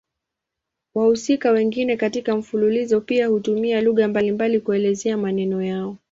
Wahusika wengine katika mfululizo pia hutumia lugha mbalimbali kuelezea maneno yao.